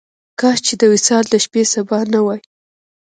کاش چې د وصال د شپې سبا نه وای.